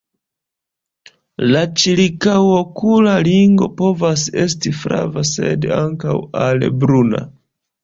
La ĉirkaŭokula ringo povas esti flava, sed ankaŭ al bruna.